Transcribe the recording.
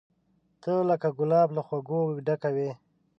ته لکه ګلاب له ځوزه ډکه وې